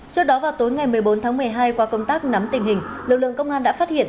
trước đó vào tối ngày một mươi bốn tháng một mươi hai qua công tác nắm tình hình lực lượng công an đã phát hiện